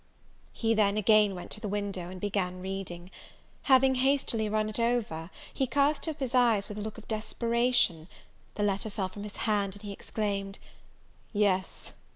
He then again went to the window, and began reading. Having hastily run it over, he cast up his eyes with a look of desperation; the letter fell from his hand, and he exclaimed, "Yes!